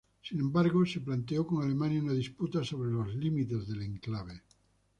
Sin embargo, se planteó con Alemania una disputa sobre los límites del enclave.